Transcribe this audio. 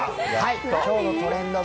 今日の「トレンド部」